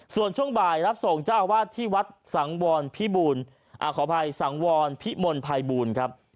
ส่วนช่วงบ่ายรับส่งเจ้าอาวาสที่วัดสังวรพิบูลขออภัยสังวรพิมลภัยบูลครับ